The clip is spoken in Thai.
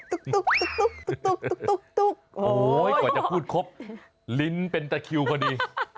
ตุ๊กกว่าจะพูดครบลิ้นเป็นแต่คิวคนดี